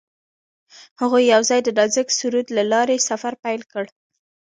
هغوی یوځای د نازک سرود له لارې سفر پیل کړ.